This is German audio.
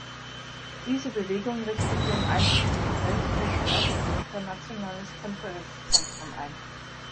Diese Bewegung richtete im einstigen Hotel "Caux Palace" ihr internationales Konferenzzentrum ein.